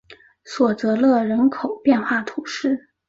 索泽勒人口变化图示